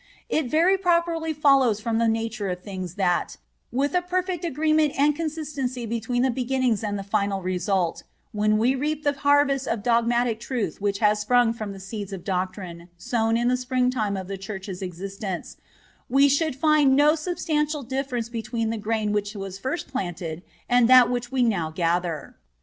It very properly follows from the nature of things that, with a perfect agreement and consistency between the beginnings and the final results, when we reap the harvest of dogmatic truth which has sprung from the seeds of doctrine sown in the spring time of the Church's existence, we should find no substantial difference between the grain which was first planted and that which we now gather.